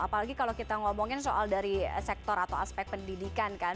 apalagi kalau kita ngomongin soal dari sektor atau aspek pendidikan kan